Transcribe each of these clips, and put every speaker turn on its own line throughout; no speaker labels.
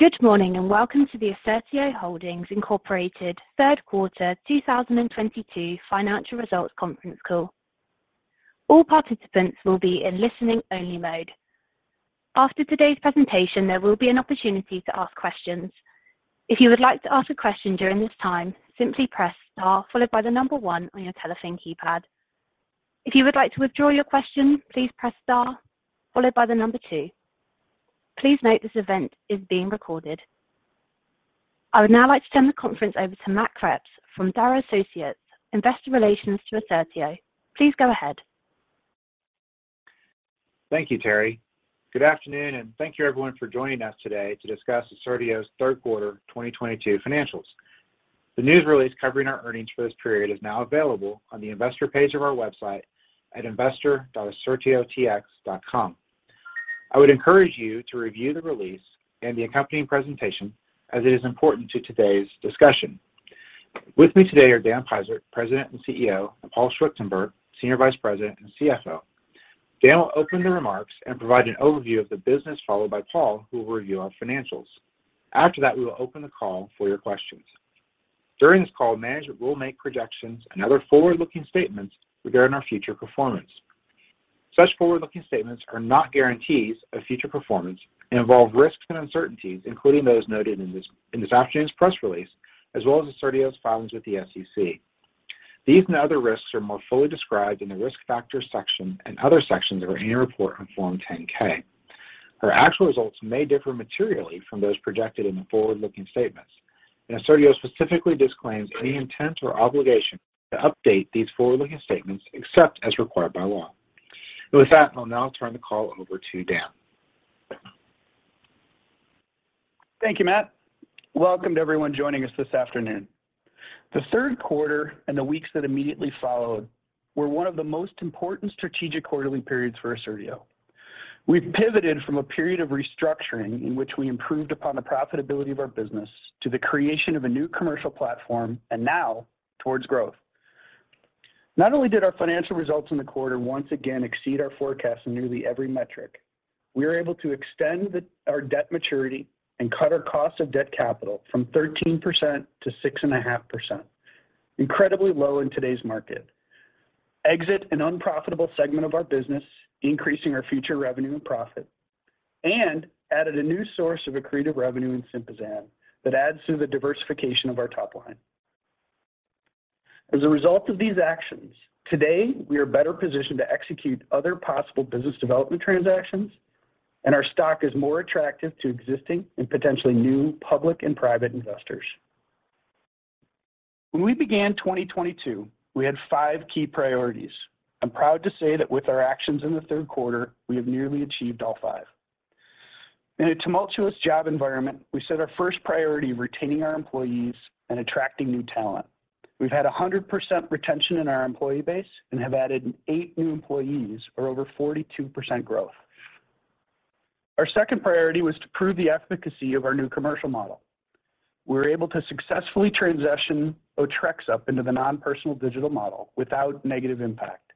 Good morning, and welcome to the Assertio Holdings, Inc. third quarter 2022 financial results conference call. All participants will be in listening only mode. After today's presentation, there will be an opportunity to ask questions. If you would like to ask a question during this time, simply press star followed by the number one on your telephone keypad. If you would like to withdraw your question, please press star followed by the number two. Please note this event is being recorded. I would now like to turn the conference over to Matt Kreps from Darrow Associates, investor relations to Assertio. Please go ahead.
Thank you, Terry. Good afternoon, and thank you everyone for joining us today to discuss Assertio's third quarter 2022 financials. The news release covering our earnings for this period is now available on the investor page of our website at investor.assertiotx.com. I would encourage you to review the release and the accompanying presentation as it is important to today's discussion. With me today are Dan Peisert, President and CEO, and Paul Schwichtenberg, Senior Vice President and CFO. Dan will open the remarks and provide an overview of the business, followed by Paul, who will review our financials. After that, we will open the call for your questions. During this call, management will make projections and other forward-looking statements regarding our future performance. Such forward-looking statements are not guarantees of future performance and involve risks and uncertainties, including those noted in this afternoon's press release, as well as Assertio's filings with the SEC. These and other risks are more fully described in the Risk Factors section and other sections of our annual report on Form 10-K. Our actual results may differ materially from those projected in the forward-looking statements, and Assertio specifically disclaims any intent or obligation to update these forward-looking statements except as required by law. With that, I'll now turn the call over to Dan.
Thank you, Matt. Welcome to everyone joining us this afternoon. The third quarter and the weeks that immediately followed were one of the most important strategic quarterly periods for Assertio. We've pivoted from a period of restructuring in which we improved upon the profitability of our business to the creation of a new commercial platform and now towards growth. Not only did our financial results in the quarter once again exceed our forecast in nearly every metric, we are able to extend our debt maturity and cut our cost of debt capital from 13% to 6.5%, incredibly low in today's market. Exit an unprofitable segment of our business, increasing our future revenue and profit, and added a new source of accretive revenue in Sympazan that adds to the diversification of our top line. As a result of these actions, today, we are better positioned to execute other possible business development transactions, and our stock is more attractive to existing and potentially new public and private investors. When we began 2022, we had 5 key priorities. I'm proud to say that with our actions in the third quarter, we have nearly achieved all 5. In a tumultuous job environment, we set our first priority of retaining our employees and attracting new talent. We've had 100% retention in our employee base and have added 8 new employees or over 42% growth. Our second priority was to prove the efficacy of our new commercial model. We were able to successfully transition Otrexup into the non-personal digital model without negative impact.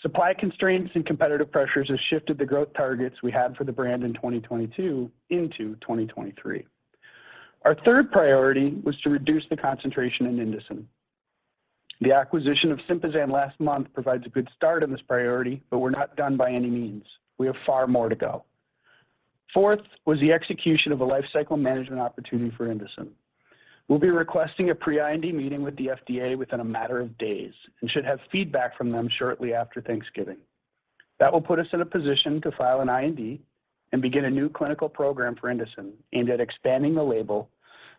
Supply constraints and competitive pressures have shifted the growth targets we had for the brand in 2022 into 2023. Our third priority was to reduce the concentration in Indocin. The acquisition of Sympazan last month provides a good start on this priority, but we're not done by any means. We have far more to go. Fourth was the execution of a lifecycle management opportunity for Indocin. We'll be requesting a pre-IND meeting with the FDA within a matter of days and should have feedback from them shortly after Thanksgiving. That will put us in a position to file an IND and begin a new clinical program for Indocin aimed at expanding the label,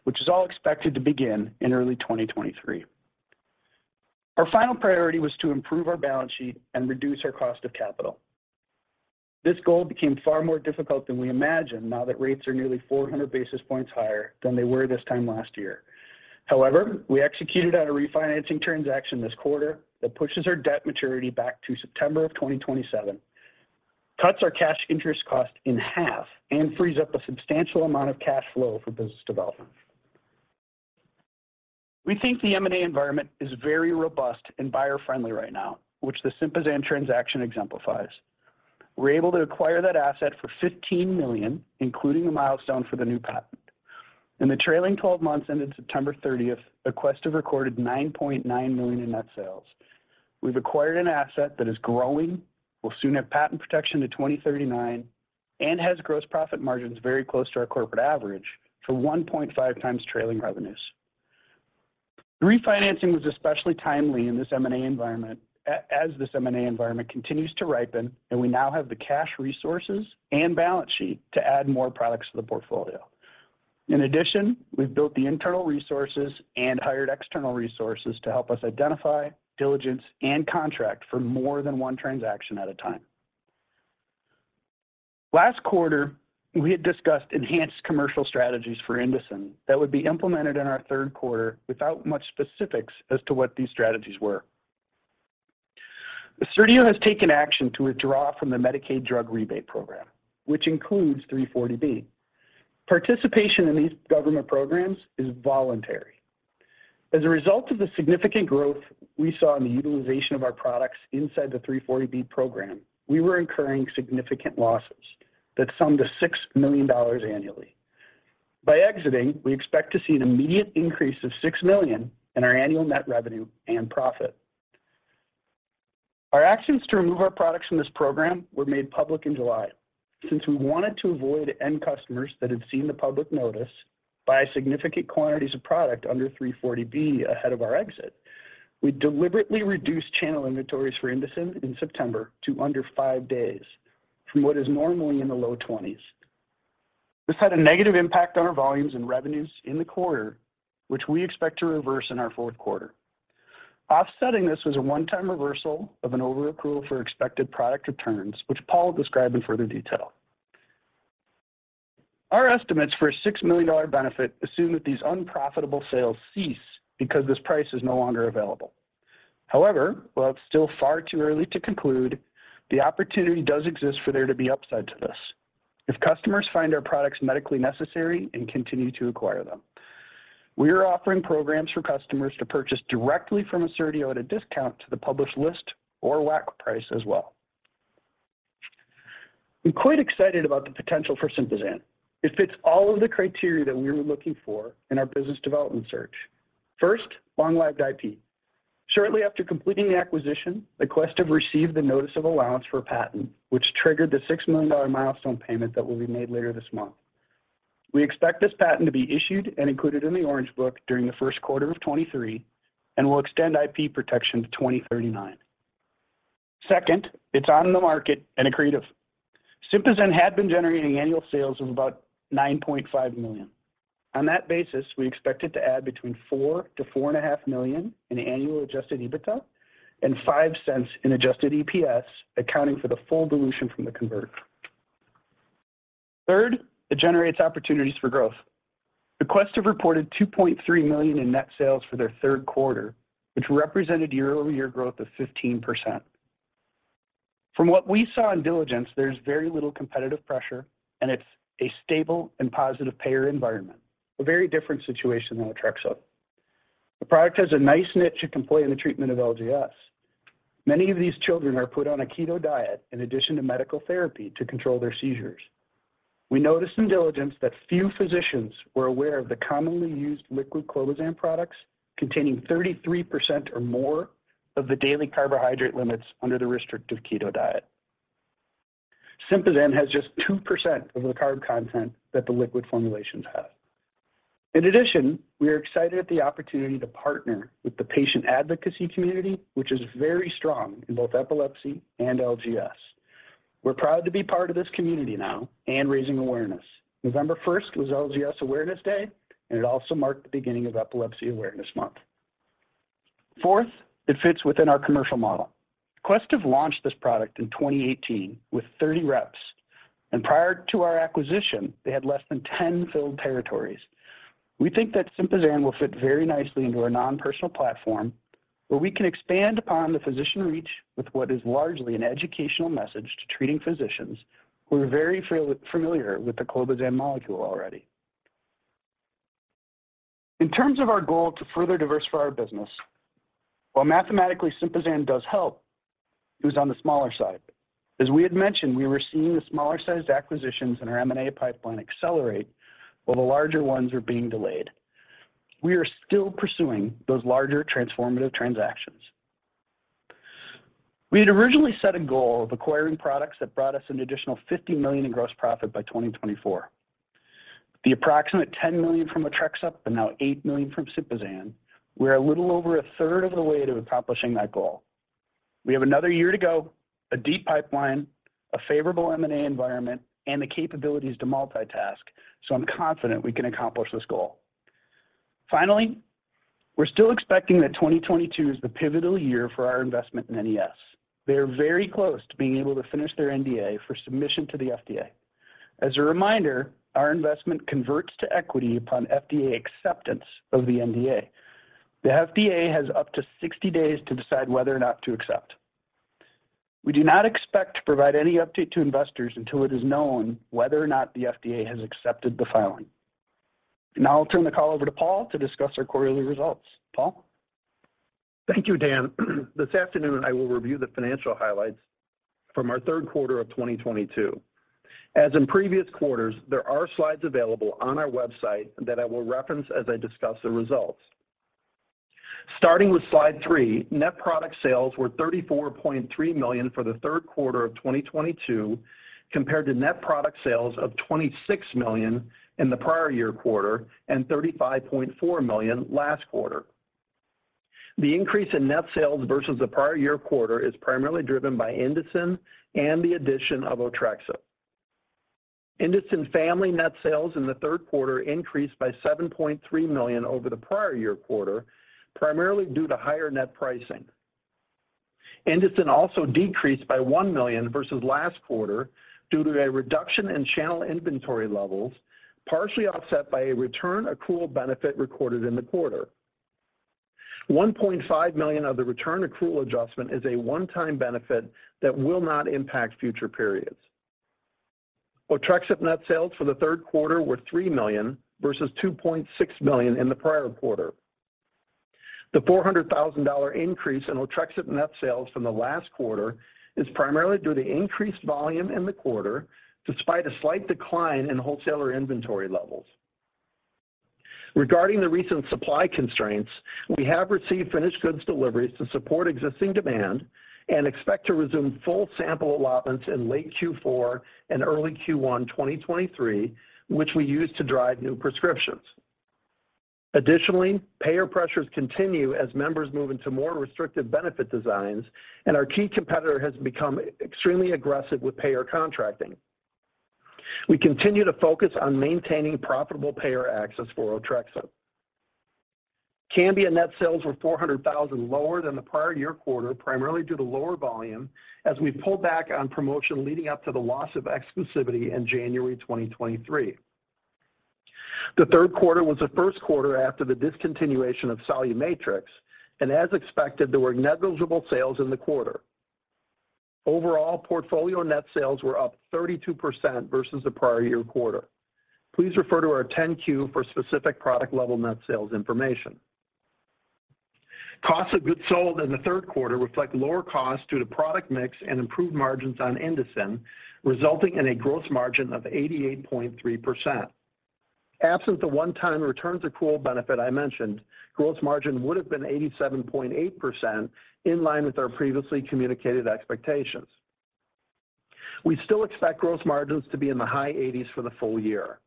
which is all expected to begin in early 2023. Our final priority was to improve our balance sheet and reduce our cost of capital. This goal became far more difficult than we imagined now that rates are nearly 400 basis points higher than they were this time last year. However, we executed on a refinancing transaction this quarter that pushes our debt maturity back to September 2027, cuts our cash interest cost in half, and frees up a substantial amount of cash flow for business development. We think the M&A environment is very robust and buyer-friendly right now, which the Sympazan transaction exemplifies. We're able to acquire that asset for $15 million, including a milestone for the new patent. In the trailing twelve months ended September 30, Aquestive recorded $9.9 million in net sales. We've acquired an asset that is growing, will soon have patent protection to 2039, and has gross profit margins very close to our corporate average for 1.5 times trailing revenues. The refinancing was especially timely in this M&A environment, as this M&A environment continues to ripen, and we now have the cash resources and balance sheet to add more products to the portfolio. In addition, we've built the internal resources and hired external resources to help us identify, diligence, and contract for more than one transaction at a time. Last quarter, we had discussed enhanced commercial strategies for Indocin that would be implemented in our third quarter without much specifics as to what these strategies were. Assertio has taken action to withdraw from the Medicaid Drug Rebate Program, which includes 340B. Participation in these government programs is voluntary. As a result of the significant growth we saw in the utilization of our products inside the 340B program, we were incurring significant losses that summed to $6 million annually. By exiting, we expect to see an immediate increase of $6 million in our annual net revenue and profit. Our actions to remove our products from this program were made public in July. Since we wanted to avoid end customers that had seen the public notice buy significant quantities of product under 340B ahead of our exit, we deliberately reduced channel inventories for INDOCIN in September to under 5 days from what is normally in the low 20s. This had a negative impact on our volumes and revenues in the quarter, which we expect to reverse in our fourth quarter. Offsetting this was a one-time reversal of an over-accrual for expected product returns, which Paul will describe in further detail. Our estimates for a $6 million benefit assume that these unprofitable sales cease because this price is no longer available. However, while it's still far too early to conclude, the opportunity does exist for there to be upside to this if customers find our products medically necessary and continue to acquire them. We are offering programs for customers to purchase directly from Assertio at a discount to the published list or WAC price as well. I'm quite excited about the potential for Sympazan. It fits all of the criteria that we were looking for in our business development search. First, long-lived IP. Shortly after completing the acquisition, Aquestive received the notice of allowance for a patent, which triggered the $6 million milestone payment that will be made later this month. We expect this patent to be issued and included in the Orange Book during the first quarter of 2023 and will extend IP protection to 2039. Second, it's on the market and accretive. Sympazan had been generating annual sales of about $9.5 million. On that basis, we expect it to add between $4-$4.5 million in annual adjusted EBITDA and $0.05 in adjusted EPS, accounting for the full dilution from the convert. Third, it generates opportunities for growth. Aquestive reported $2.3 million in net sales for their third quarter, which represented year-over-year growth of 15%. From what we saw in diligence, there's very little competitive pressure, and it's a stable and positive payer environment, a very different situation than Otrexup. The product has a nice niche it can play in the treatment of LGS. Many of these children are put on a keto diet in addition to medical therapy to control their seizures. We noticed in diligence that few physicians were aware of the commonly used liquid clobazam products containing 33% or more of the daily carbohydrate limits under the restrictive keto diet. Sympazan has just 2% of the carb content that the liquid formulations have. In addition, we are excited at the opportunity to partner with the patient advocacy community, which is very strong in both epilepsy and LGS. We're proud to be part of this community now and raising awareness. November first was LGS Awareness Day, and it also marked the beginning of Epilepsy Awareness Month. Fourth, it fits within our commercial model. Aquestive launched this product in 2018 with 30 reps, and prior to our acquisition, they had less than 10 filled territories. We think that Sympazan will fit very nicely into our non-personal platform, where we can expand upon the physician reach with what is largely an educational message to treating physicians who are very familiar with the clobazam molecule already. In terms of our goal to further diversify our business, while mathematically Sympazan does help, it was on the smaller side. As we had mentioned, we were seeing the smaller-sized acquisitions in our M&A pipeline accelerate while the larger ones are being delayed. We are still pursuing those larger transformative transactions. We had originally set a goal of acquiring products that brought us an additional $50 million in gross profit by 2024. The approximate $10 million from Otrexup and now $8 million from Sympazan, we're a little over a third of the way to accomplishing that goal. We have another year to go, a deep pipeline, a favorable M&A environment, and the capabilities to multitask, so I'm confident we can accomplish this goal. Finally, we're still expecting that 2022 is the pivotal year for our investment in NES. They are very close to being able to finish their NDA for submission to the FDA. As a reminder, our investment converts to equity upon FDA acceptance of the NDA. The FDA has up to 60 days to decide whether or not to accept. We do not expect to provide any update to investors until it is known whether or not the FDA has accepted the filing. Now I'll turn the call over to Paul to discuss our quarterly results. Paul?
Thank you, Dan. This afternoon, I will review the financial highlights from our third quarter of 2022. As in previous quarters, there are slides available on our website that I will reference as I discuss the results. Starting with slide 3, net product sales were $34.3 million for the third quarter of 2022, compared to net product sales of $26 million in the prior year quarter and $35.4 million last quarter. The increase in net sales versus the prior year quarter is primarily driven by Indocin and the addition of Otrexup. Indocin family net sales in the third quarter increased by $7.3 million over the prior year quarter, primarily due to higher net pricing. Indocin also decreased by $1 million versus last quarter due to a reduction in channel inventory levels, partially offset by a return accrual benefit recorded in the quarter. $1.5 million of the return accrual adjustment is a one-time benefit that will not impact future periods. Otrexup net sales for the third quarter were $3 million versus $2.6 million in the prior quarter. The $400,000 increase in Otrexup net sales from the last quarter is primarily due to increased volume in the quarter despite a slight decline in wholesaler inventory levels. Regarding the recent supply constraints, we have received finished goods deliveries to support existing demand and expect to resume full sample allotments in late Q4 and early Q1 2023, which we use to drive new prescriptions. Additionally, payer pressures continue as members move into more restrictive benefit designs, and our key competitor has become extremely aggressive with payer contracting. We continue to focus on maintaining profitable payer access for Otrexup. CAMBIA net sales were $400,000 lower than the prior year quarter, primarily due to lower volume as we pulled back on promotion leading up to the loss of exclusivity in January 2023. The third quarter was the first quarter after the discontinuation of SoluMatrix, and as expected, there were negligible sales in the quarter. Overall, portfolio net sales were up 32% versus the prior year quarter. Please refer to our 10-Q for specific product level net sales information. Cost of goods sold in the third quarter reflect lower costs due to product mix and improved margins on INDOCIN, resulting in a gross margin of 88.3%. Absent the one-time returns accrual benefit I mentioned, gross margin would have been 87.8% in line with our previously communicated expectations. We still expect gross margins to be in the high 80s for the full year.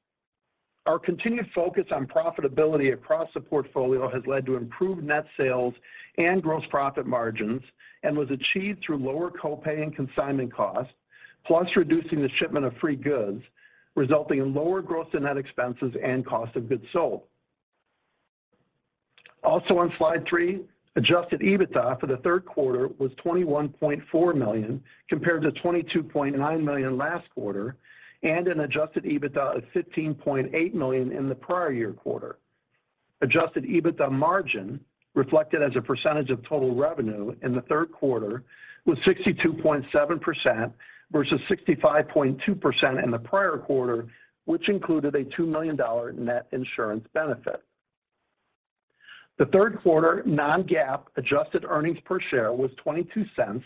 Our continued focus on profitability across the portfolio has led to improved net sales and gross profit margins and was achieved through lower co-pay and consignment costs, plus reducing the shipment of free goods, resulting in lower gross and net expenses and cost of goods sold. On slide 3, adjusted EBITDA for the third quarter was $21.4 million compared to $22.9 million last quarter, and an adjusted EBITDA of $15.8 million in the prior year quarter. Adjusted EBITDA margin reflected as a percentage of total revenue in the third quarter was 62.7% versus 65.2% in the prior quarter, which included a $2 million net insurance benefit. The third quarter non-GAAP adjusted earnings per share was $0.22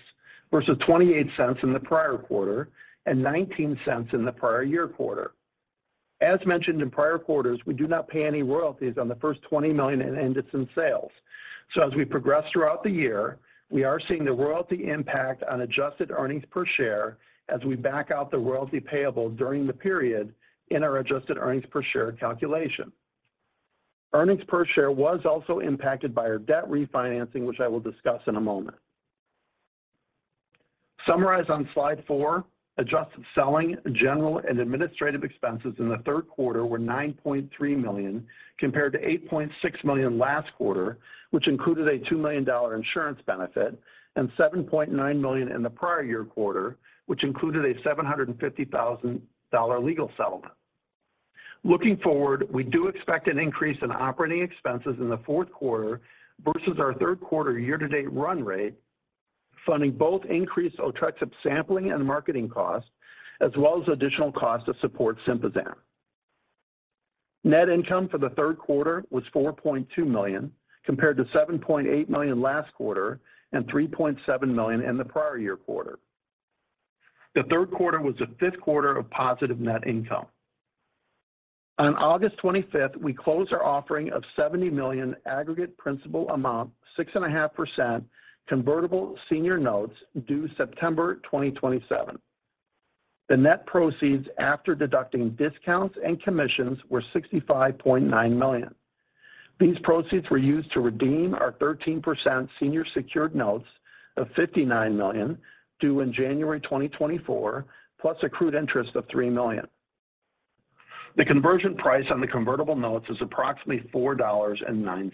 versus $0.28 in the prior quarter and $0.19 in the prior year quarter. As mentioned in prior quarters, we do not pay any royalties on the first $20 million in Indocin sales. As we progress throughout the year, we are seeing the royalty impact on adjusted earnings per share as we back out the royalty payable during the period in our adjusted earnings per share calculation. Earnings per share was also impacted by our debt refinancing, which I will discuss in a moment. Summarized on slide four, adjusted selling, general and administrative expenses in the third quarter were $9.3 million compared to $8.6 million last quarter, which included a $2 million insurance benefit and $7.9 million in the prior year quarter, which included a $750,000 legal settlement. Looking forward, we do expect an increase in operating expenses in the fourth quarter versus our third quarter year-to-date run rate, funding both increased Otrexup sampling and marketing costs as well as additional costs to support Sympazan. Net income for the third quarter was $4.2 million compared to $7.8 million last quarter and $3.7 million in the prior year quarter. The third quarter was the 5th quarter of positive net income. On August 25, we closed our offering of $70 million aggregate principal amount 6.5% convertible senior notes due September 2027. The net proceeds after deducting discounts and commissions were $65.9 million. These proceeds were used to redeem our 13% senior secured notes of $59 million due in January 2024, plus accrued interest of $3 million. The conversion price on the convertible notes is approximately $4.09.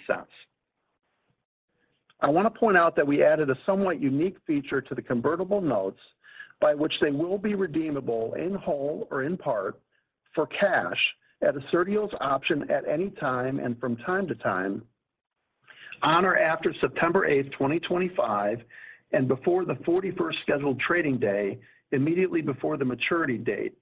I want to point out that we added a somewhat unique feature to the convertible notes by which they will be redeemable in whole or in part for cash at Assertio's option at any time and from time to time on or after September 8, 2025 and before the 41st scheduled trading day immediately before the maturity date,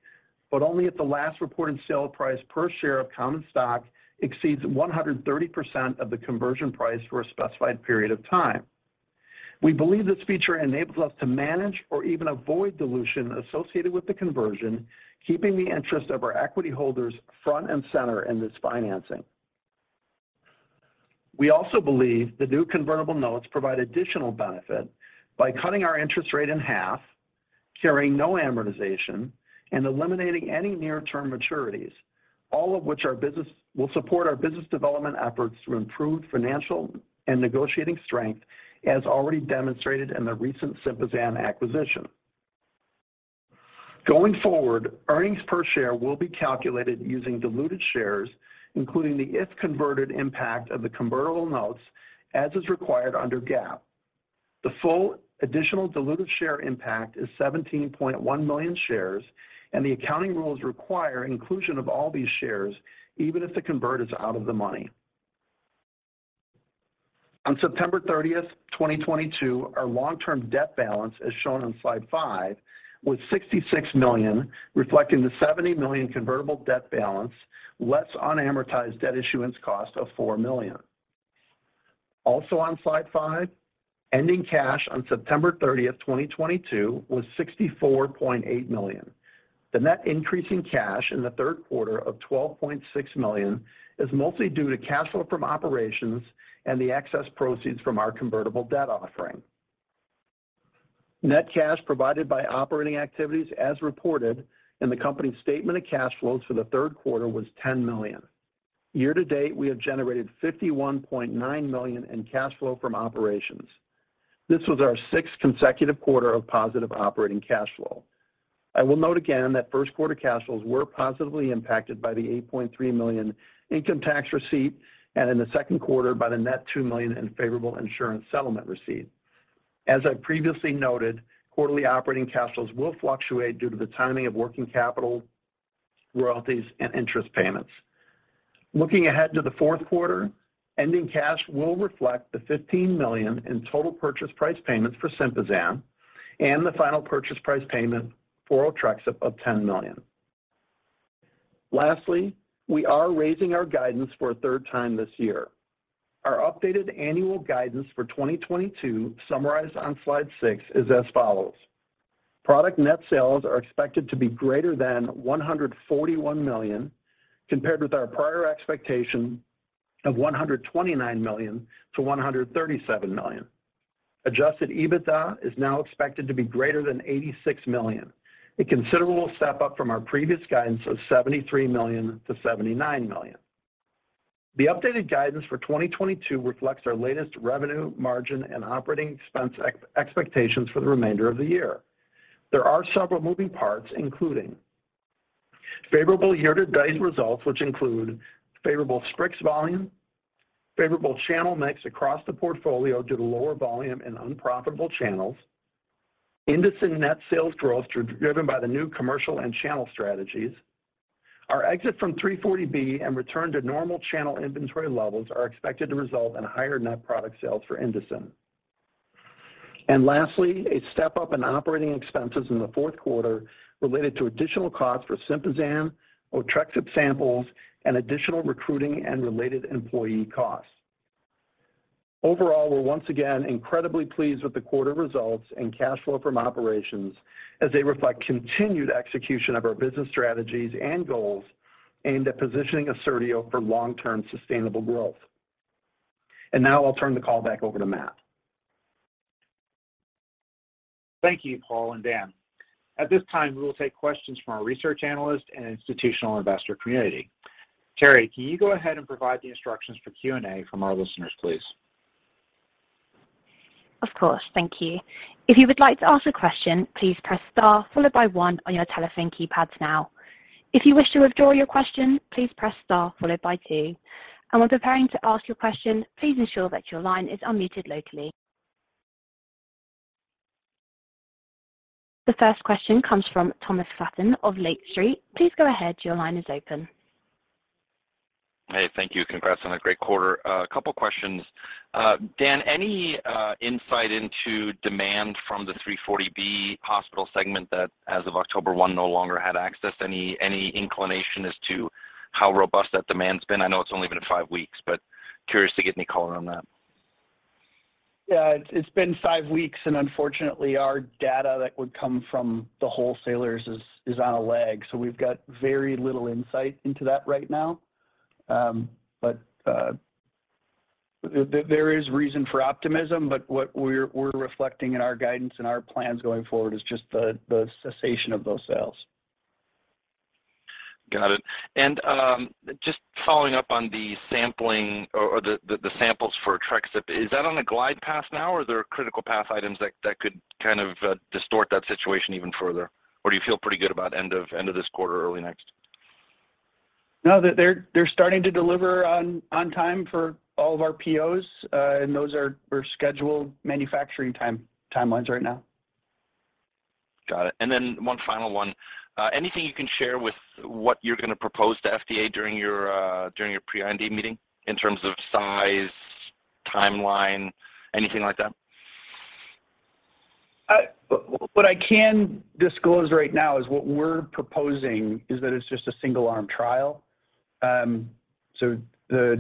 but only if the last reported sale price per share of common stock exceeds 130% of the conversion price for a specified period of time. We believe this feature enables us to manage or even avoid dilution associated with the conversion, keeping the interest of our equity holders front and center in this financing. We also believe the new convertible notes provide additional benefit by cutting our interest rate in half, carrying no amortization, and eliminating any near-term maturities, all of which will support our business development efforts through improved financial and negotiating strength as already demonstrated in the recent Sympazan acquisition. Going forward, earnings per share will be calculated using diluted shares, including the if converted impact of the convertible notes as is required under GAAP. The full additional diluted share impact is 17.1 million shares, and the accounting rules require inclusion of all these shares even if the conversion is out of the money. On September 30, 2022, our long-term debt balance, as shown on slide 5, was $66 million, reflecting the $70 million convertible debt balance, less unamortized debt issuance cost of $4 million. Also on slide five, ending cash on September 30, 2022 was $64.8 million. The net increase in cash in the third quarter of $12.6 million is mostly due to cash flow from operations and the excess proceeds from our convertible debt offering. Net cash provided by operating activities as reported in the company's statement of cash flows for the third quarter was $10 million. Year to date, we have generated $51.9 million in cash flow from operations. This was our sixth consecutive quarter of positive operating cash flow. I will note again that first quarter cash flows were positively impacted by the $8.3 million income tax receipt, and in the second quarter by the net $2 million in favorable insurance settlement receipt. As I previously noted, quarterly operating cash flows will fluctuate due to the timing of working capital, royalties, and interest payments. Looking ahead to the fourth quarter, ending cash will reflect the $15 million in total purchase price payments for Sympazan and the final purchase price payment for Otrexup of $10 million. Lastly, we are raising our guidance for a third time this year. Our updated annual guidance for 2022, summarized on slide six, is as follows. Product net sales are expected to be greater than $141 million, compared with our prior expectation of $129 million-$137 million. Adjusted EBITDA is now expected to be greater than $86 million, a considerable step-up from our previous guidance of $73 million-$79 million. The updated guidance for 2022 reflects our latest revenue, margin, and operating expense expectations for the remainder of the year. There are several moving parts, including favorable year-to-date results, which include favorable Strix volume, favorable channel mix across the portfolio due to lower volume in unprofitable channels. INDOCIN net sales growth driven by the new commercial and channel strategies. Our exit from 340B and return to normal channel inventory levels are expected to result in higher net product sales for INDOCIN. Lastly, a step up in operating expenses in the fourth quarter related to additional costs for Sympazan, Otrexup samples, and additional recruiting and related employee costs. Overall, we're once again incredibly pleased with the quarter results and cash flow from operations as they reflect continued execution of our business strategies and goals aimed at positioning Assertio for long-term sustainable growth. Now I'll turn the call back over to Matt.
Thank you, Paul and Dan. At this time, we will take questions from our research analyst and institutional investor community. Terry, can you go ahead and provide the instructions for Q&A from our listeners, please?
Of course. Thank you. If you would like to ask a question, please press star followed by one on your telephone keypads now. If you wish to withdraw your question, please press star followed by two. When preparing to ask your question, please ensure that your line is unmuted locally. The first question comes from Thomas Flaten of Lake Street. Please go ahead. Your line is open.
Hey, thank you. Congrats on a great quarter. A couple questions. Dan, any insight into demand from the 340B hospital segment that as of October 1 no longer had access? Any inclination as to how robust that demand's been? I know it's only been five weeks, but curious to get any color on that.
Yeah, it's been five weeks, and unfortunately, our data that would come from the wholesalers is on a lag. We've got very little insight into that right now. There is reason for optimism, but what we're reflecting in our guidance and our plans going forward is just the cessation of those sales.
Got it. Just following up on the sampling or the samples for Otrexup. Is that on a glide path now or are there critical path items that could kind of distort that situation even further? Do you feel pretty good about end of this quarter or early next?
No, they're starting to deliver on time for all of our POs, and those are for scheduled manufacturing timelines right now.
Got it. One final one. Anything you can share with what you're gonna propose to FDA during your pre-IND meeting in terms of size, timeline, anything like that?
What I can disclose right now is what we're proposing is that it's just a single arm trial. The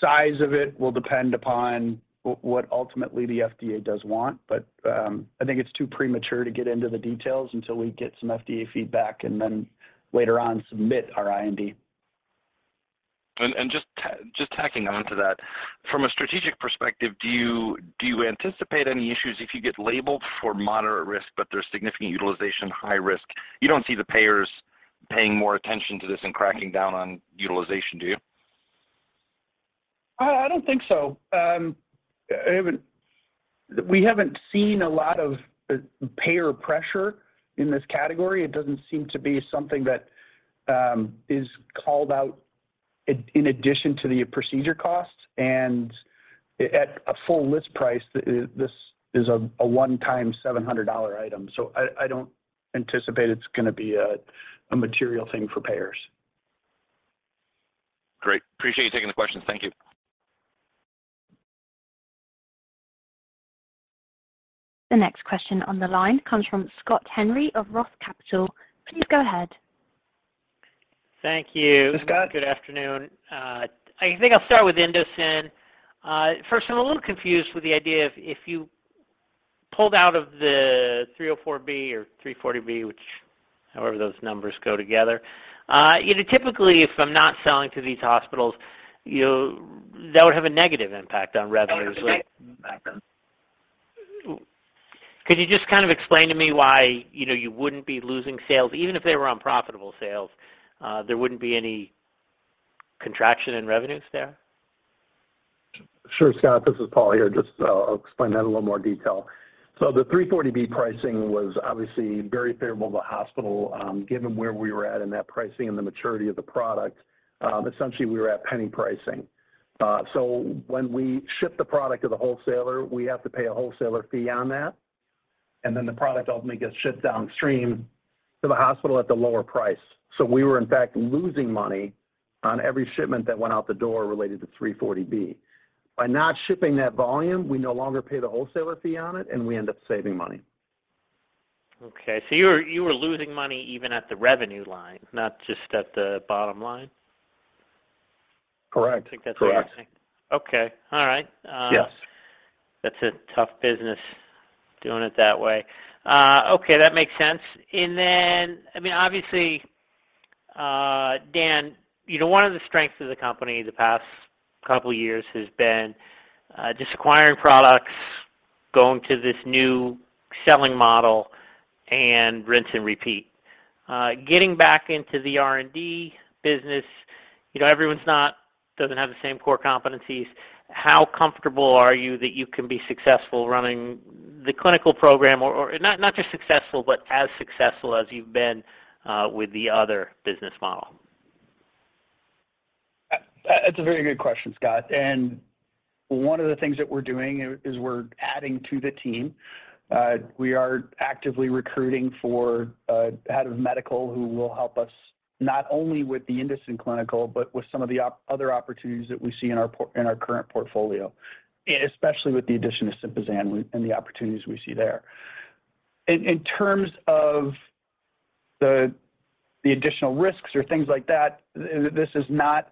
size of it will depend upon what ultimately the FDA does want. I think it's too premature to get into the details until we get some FDA feedback and then later on submit our IND.
Just tacking onto that. From a strategic perspective, do you anticipate any issues if you get labeled for moderate risk, but there's significant utilization high risk? You don't see the payers paying more attention to this and cracking down on utilization, do you?
I don't think so. We haven't seen a lot of payer pressure in this category. It doesn't seem to be something that is called out in addition to the procedure costs. At a full list price, this is a one-time $700 item. I don't anticipate it's gonna be a material thing for payers.
Great. Appreciate you taking the questions. Thank you.
The next question on the line comes from Scott Henry of ROTH Capital. Please go ahead.
Thank you.
Hey, Scott.
Good afternoon. I think I'll start with INDOCIN. First I'm a little confused with the idea of if you pulled out of the 340B, which however those numbers go together, you know, typically, if I'm not selling to these hospitals, you know, that would have a negative impact on revenues, right?
Negative impact.
Could you just kind of explain to me why, you know, you wouldn't be losing sales, even if they were unprofitable sales, there wouldn't be any contraction in revenues there?
Sure, Scott. This is Paul here. Just, I'll explain that in a little more detail. The 340B pricing was obviously very favorable to the hospital, given where we were at in that pricing and the maturity of the product, essentially we were at penny pricing. When we ship the product to the wholesaler, we have to pay a wholesaler fee on that, and then the product ultimately gets shipped downstream to the hospital at the lower price. We were in fact losing money on every shipment that went out the door related to 340B. By not shipping that volume, we no longer pay the wholesaler fee on it, and we end up saving money.
Okay. You were losing money even at the revenue line, not just at the bottom line?
Correct.
I think that's what you're saying.
Correct. Okay. All right.
Yes.
That's a tough business doing it that way. Okay. That makes sense. I mean, obviously, Dan, you know, one of the strengths of the company the past couple of years has been just acquiring products, going to this new selling model and rinse and repeat. Getting back into the R&D business, you know, everyone doesn't have the same core competencies. How comfortable are you that you can be successful running the clinical program or not just successful, but as successful as you've been with the other business model?
It's a very good question, Scott. One of the things that we're doing is we're adding to the team. We are actively recruiting for a head of medical who will help us not only with the Indocin clinical, but with some of the other opportunities that we see in our current portfolio, especially with the addition of Sympazan and the opportunities we see there. In terms of the additional risks or things like that, this is not,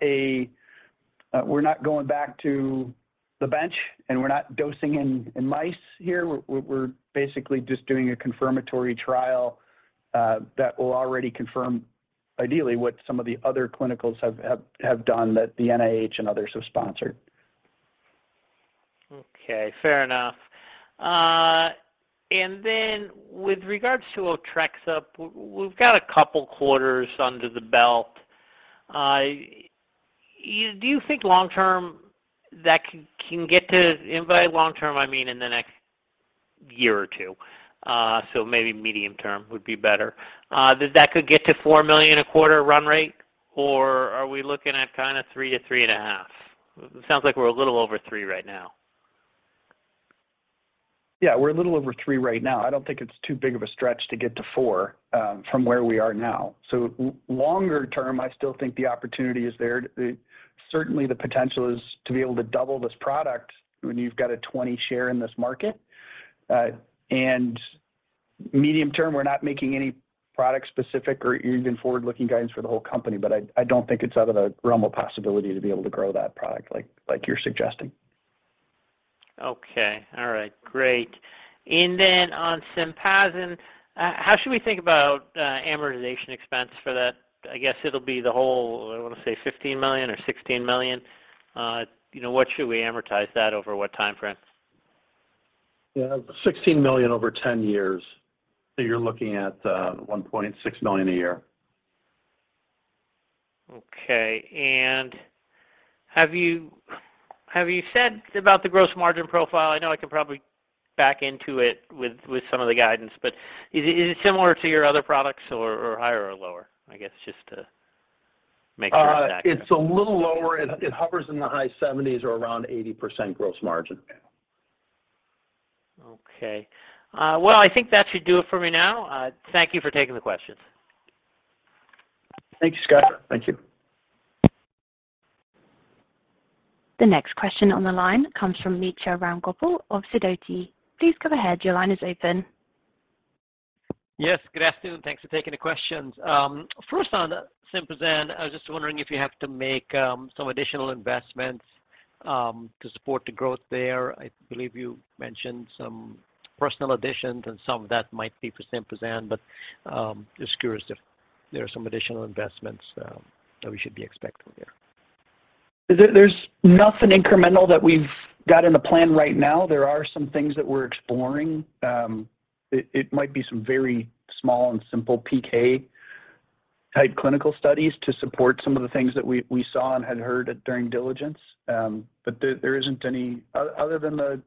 we're not going back to the bench, and we're not dosing in mice here. We're basically just doing a confirmatory trial that will already confirm ideally what some of the other clinicals have done that the NIH and others have sponsored.
Okay, fair enough. With regards to Otrexup, we've got a couple quarters under the belt. Do you think long term that could get to $4 million a quarter run rate or are we looking at kinda $3-$3.5 million? By long term, I mean in the next year or 2, maybe medium term would be better. It sounds like we're a little over $3 million right now.
Yeah, we're a little over 3 right now. I don't think it's too big of a stretch to get to 4, from where we are now. Longer term, I still think the opportunity is there. Certainly the potential is to be able to double this product when you've got a 20% share in this market. Medium term, we're not making any product specific or even forward-looking guidance for the whole company. I don't think it's out of the realm of possibility to be able to grow that product like you're suggesting.
Okay. All right. Great. Then on Sympazan, how should we think about amortization expense for that? I guess it'll be the whole, I wanna say $15 million or $16 million. You know, what should we amortize that over what time frame?
Yeah. $16 million over 10 years. You're looking at $1.6 million a year.
Okay. Have you said about the gross margin profile? I know I can probably back into it with some of the guidance, but is it similar to your other products or higher or lower? I guess just to make sure it's accurate.
It's a little lower. It hovers in the high 70s or around 80% gross margin.
Okay. Well, I think that should do it for me now. Thank you for taking the questions.
Thank you, Scott. Thank you.
The next question on the line comes from Mitra Ramgopal of Sidoti. Please go ahead. Your line is open.
Yes, good afternoon. Thanks for taking the questions. First on Sympazan, I was just wondering if you have to make some additional investments to support the growth there. I believe you mentioned some personnel additions and some of that might be for Sympazan, but just curious if there are some additional investments that we should be expecting there.
There's nothing incremental that we've got in the plan right now. There are some things that we're exploring. It might be some very small and simple PK type clinical studies to support some of the things that we saw and had heard during diligence. But there isn't any other than the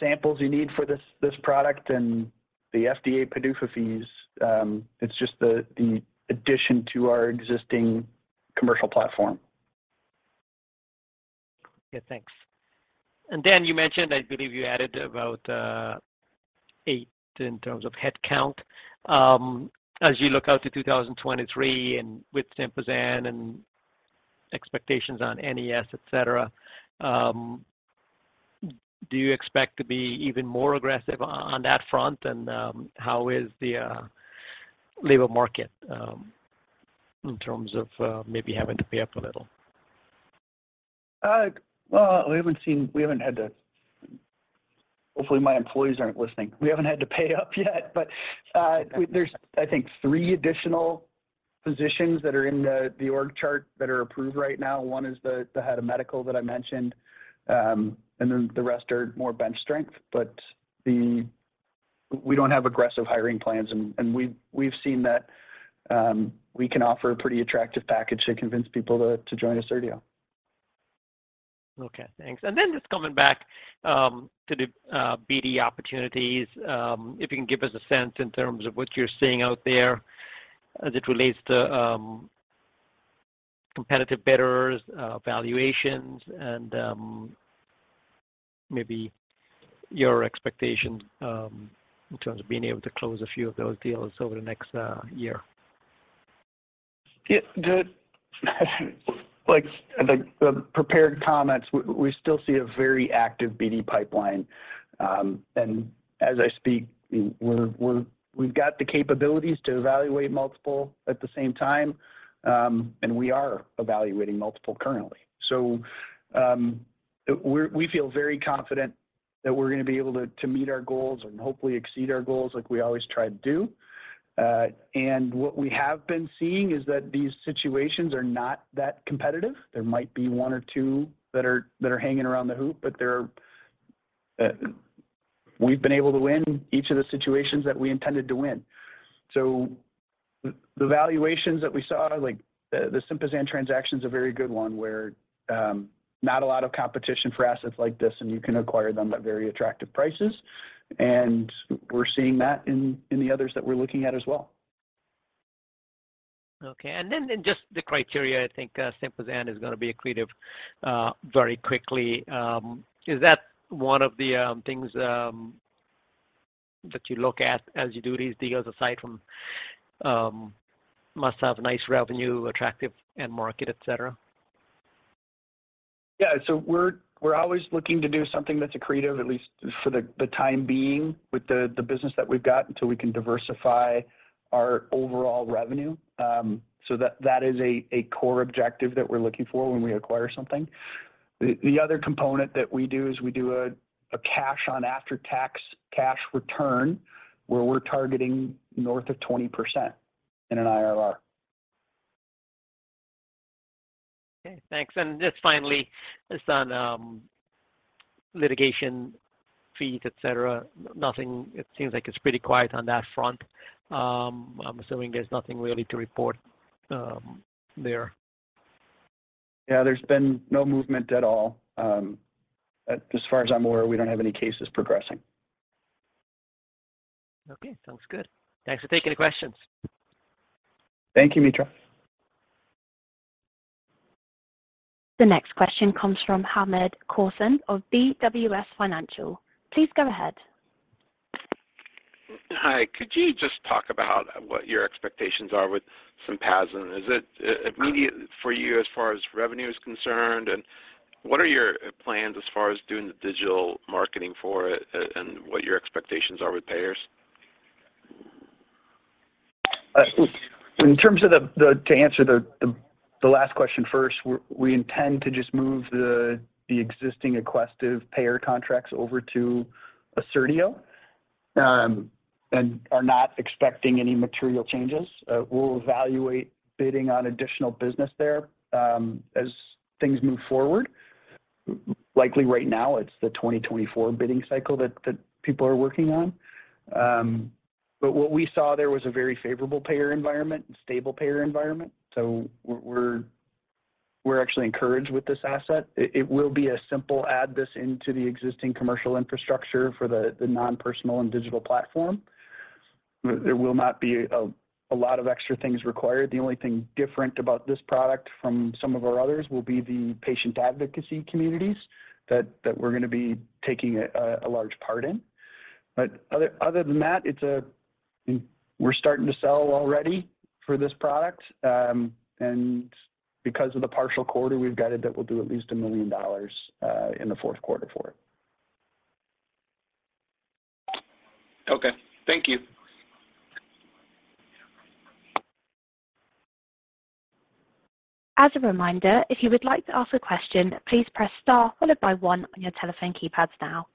samples you need for this product and the FDA PDUFA fees. It's just the addition to our existing commercial platform.
Yeah, thanks. Dan, you mentioned, I believe you added about eight in terms of head count. As you look out to 2023 and with Sympazan and expectations on NES, et cetera, do you expect to be even more aggressive on that front? How is the labor market in terms of maybe having to pay up a little?
Hopefully, my employees aren't listening. We haven't had to pay up yet. There's, I think, three additional positions that are in the org chart that are approved right now. One is the head of medical that I mentioned. Then the rest are more bench strength. We don't have aggressive hiring plans and we've seen that we can offer a pretty attractive package to convince people to join Assertio.
Okay, thanks. Just coming back to the BD opportunities. If you can give us a sense in terms of what you're seeing out there as it relates to competitive bidders, valuations, and maybe your expectations in terms of being able to close a few of those deals over the next year.
Like the prepared comments, we still see a very active BD pipeline. And as I speak, we've got the capabilities to evaluate multiple at the same time. And we are evaluating multiple currently. We feel very confident that we're gonna be able to meet our goals and hopefully exceed our goals like we always try to do. And what we have been seeing is that these situations are not that competitive. There might be one or two that are hanging around the hoop, but they're we've been able to win each of the situations that we intended to win. The valuations that we saw, like the Simponi transaction is a very good one where not a lot of competition for assets like this, and you can acquire them at very attractive prices. We're seeing that in the others that we're looking at as well.
Okay. Then just the criteria, I think, Sympazan is gonna be accretive very quickly. Is that one of the things that you look at as you do these deals aside from must have nice revenue, attractive end market, et cetera?
Yeah. We're always looking to do something that's accretive, at least for the time being with the business that we've got until we can diversify our overall revenue. That is a core objective that we're looking for when we acquire something. The other component that we do is we do a cash-on-cash after-tax cash return, where we're targeting north of 20% in an IRR.
Okay, thanks. Just finally, just on, litigation fees, et cetera. Nothing. It seems like it's pretty quiet on that front. I'm assuming there's nothing really to report, there.
Yeah, there's been no movement at all. As far as I'm aware, we don't have any cases progressing.
Okay, sounds good. Thanks for taking the questions.
Thank you, Mitra.
The next question comes from Hamed Khorsand of BWS Financial. Please go ahead.
Hi. Could you just talk about what your expectations are with Sympazan? Is it immediate for you as far as revenue is concerned? What are your plans as far as doing the digital marketing for it, and what your expectations are with payers?
To answer the last question first. We intend to just move the existing Aquestive payer contracts over to Assertio, and are not expecting any material changes. We'll evaluate bidding on additional business there, as things move forward. Likely right now it's the 2024 bidding cycle that people are working on. What we saw there was a very favorable payer environment and stable payer environment. We're actually encouraged with this asset. It will be a simple add this into the existing commercial infrastructure for the non-personal and digital platform. There will not be a lot of extra things required. The only thing different about this product from some of our others will be the patient advocacy communities that we're gonna be taking a large part in. Other than that, we're starting to sell already for this product. Because of the partial quarter, we've guided that we'll do at least $1 million in the fourth quarter for it.
Okay. Thank you.
As a reminder, if you would like to ask a question, please press star followed by one on your telephone keypads now.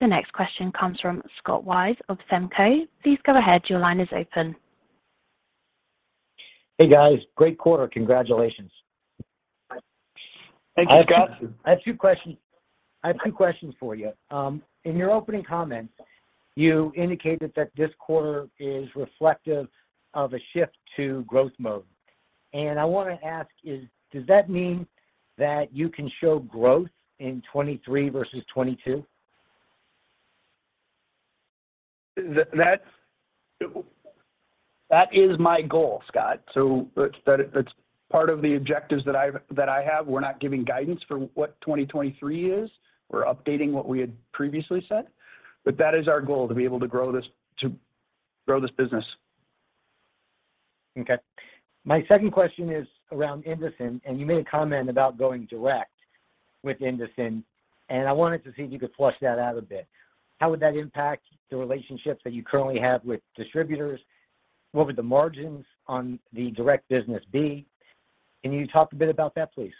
The next question comes from Scott Weis of Melius. Please go ahead. Your line is open.
Hey, guys. Great quarter. Congratulations.
Thank you, Scott.
I have two questions for you. In your opening comments, you indicated that this quarter is reflective of a shift to growth mode. I wanna ask is, does that mean that you can show growth in 2023 versus 2022?
That is my goal, Scott. That's part of the objectives that I have. We're not giving guidance for what 2023 is. We're updating what we had previously said. That is our goal, to be able to grow this business.
Okay. My second question is around Indocin, and you made a comment about going direct with Indocin, and I wanted to see if you could flesh that out a bit. How would that impact the relationships that you currently have with distributors? What would the margins on the direct business be? Can you talk a bit about that, please?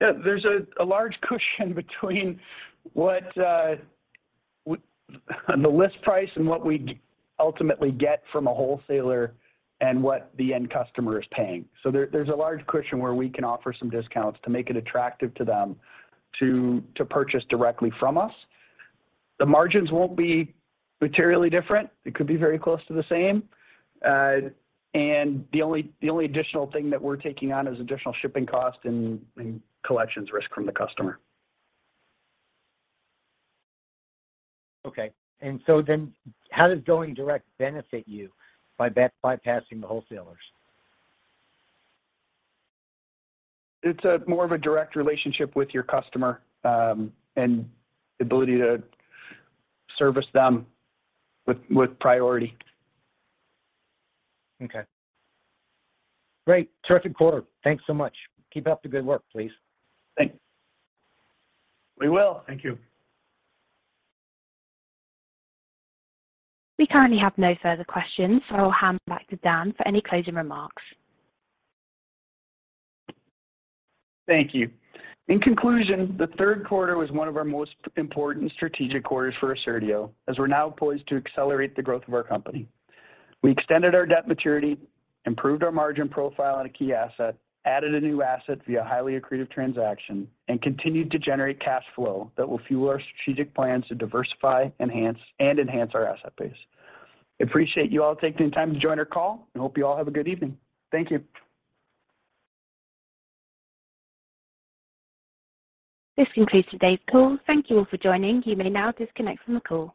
Yeah. There's a large cushion between the list price and what we'd ultimately get from a wholesaler and what the end customer is paying. There's a large cushion where we can offer some discounts to make it attractive to them to purchase directly from us. The margins won't be materially different. It could be very close to the same. The only additional thing that we're taking on is additional shipping cost and collections risk from the customer.
Okay. How does going direct benefit you by bypassing the wholesalers?
It's more of a direct relationship with your customer, and the ability to service them with priority.
Okay. Great. Terrific quarter. Thanks so much. Keep up the good work, please.
Thanks. We will. Thank you.
We currently have no further questions, so I'll hand back to Dan for any closing remarks.
Thank you. In conclusion, the third quarter was one of our most important strategic quarters for Assertio, as we're now poised to accelerate the growth of our company. We extended our debt maturity, improved our margin profile on a key asset, added a new asset via highly accretive transaction, and continued to generate cash flow that will fuel our strategic plans to diversify, enhance, and enhance our asset base. I appreciate you all taking the time to join our call, and hope you all have a good evening. Thank you.
This concludes today's call. Thank you all for joining. You may now disconnect from the call.